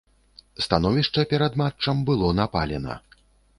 Становішча перад матчам было напалена.